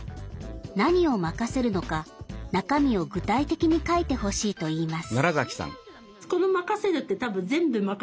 何を任せるのか中身を具体的に書いてほしいと言います。